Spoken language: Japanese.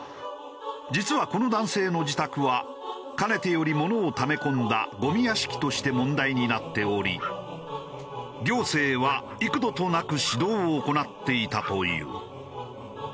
実はこの男性の自宅はかねてより物をため込んだゴミ屋敷として問題になっており行政は幾度となく指導を行っていたという。